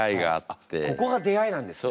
ここが出逢いなんですね。